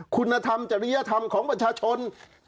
คุณธรรมจริยธรรมของประชาชน